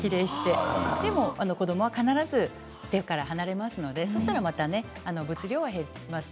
でも子どもは必ず手から離れていきますのでそうしたらもの物量は減っていきます。